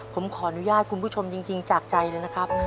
ผมขออนุญาตคุณผู้ชมจริงจากใจเลยนะครับ